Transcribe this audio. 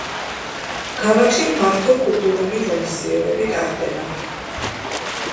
ქალაქში ფართო კულტურული ღონისძიებები ტარდება.